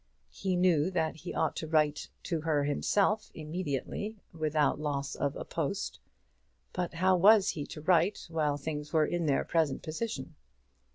He knew that he ought to write to her himself immediately, without loss of a post; but how was he to write while things were in their present position?